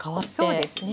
そうですね。